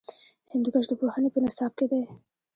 هندوکش د پوهنې په نصاب کې دی.